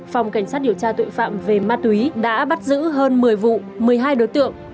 phòng cảnh sát điều tra tội phạm về ma túy đã bắt giữ hơn một mươi vụ một mươi hai đối tượng